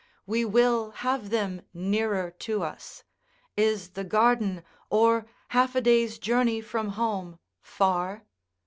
We will have them nearer to us: is the garden, or half a day's journey from home, far?